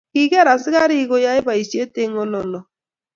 Kiker askarik koyoe boisiet eng olo olo